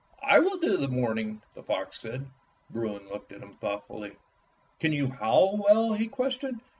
"I will do the mourning," the fox said. Bruin looked at him thoughtfully. "Can you howl well?" he questioned.